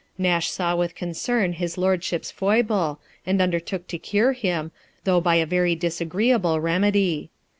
Nash saw with concern his lordship's foible, and undertook to cure him, though by a very disagreeable remedy.